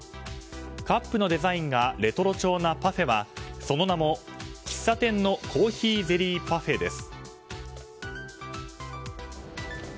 カップのデザインがレトロ調なパフェは、その名も喫茶店のコーヒーゼリーパフェです。